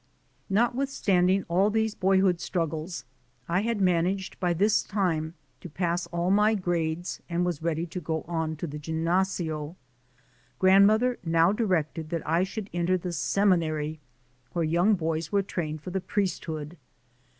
48 THE SOTJL OF AN IMMIGRANT Notwithstanding all these boyhood struggles, I had managed by this time to pass all my grades and was ready to go on to the "ginnasio." Grand mother now directed that I should enter the Semi nary where young boys were trained for the priest hood.